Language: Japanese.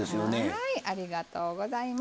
はい。